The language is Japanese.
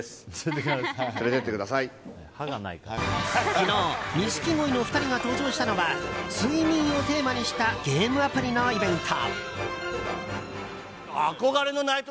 昨日、錦鯉の２人が登場したのは睡眠をテーマにしたゲームアプリのイベント。